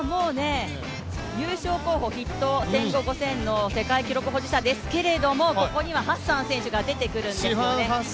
優勝候補筆頭、１５００、５０００の世界記録保持者ですけれどもここにはハッサン選手が出てくるんですよね。